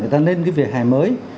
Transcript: người ta lên cái vỉa hè mới